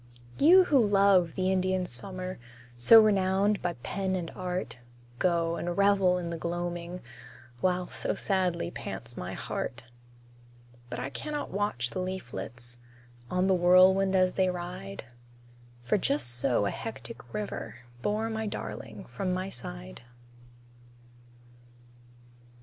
You who love the Indian summer, So renowned by pen and art, Go, and revel in the gloaming, While so sadly pants my heart. But I can not watch the leaflets, On the whirlwind as they ride, For just so a hectic river Bore my darling from my side.